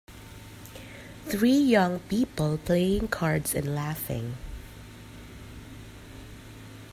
Three young people playing cards and laughing.